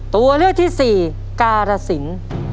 ตัวเลือกที่สี่การสิน